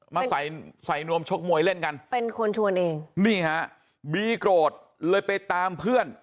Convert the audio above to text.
มาใส่ใส่นวมชกมวยเล่นกันเป็นคนชวนเองนี่ฮะบีโกรธเลยไปตามเพื่อน